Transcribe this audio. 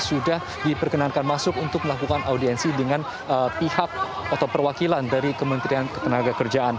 sudah diperkenankan masuk untuk melakukan audiensi dengan pihak atau perwakilan dari kementerian ketenaga kerjaan